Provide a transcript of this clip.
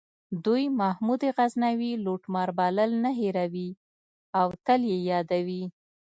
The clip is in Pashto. دوی محمود غزنوي لوټمار بلل نه هیروي او تل یې یادوي.